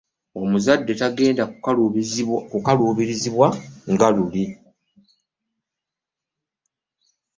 Omuzadde tagenda kukaluubirizibwa nga luli.